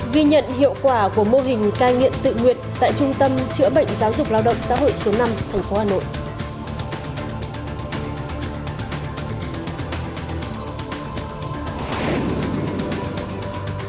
ghi nhận hiệu quả của mô hình cai nghiện tự nguyện tại trung tâm chữa bệnh giáo dục lao động xã hội số năm tp hà nội